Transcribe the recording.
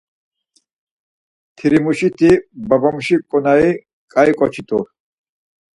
Mtirimuşiti babamuşi ǩonari ǩai ǩoçi rt̆u.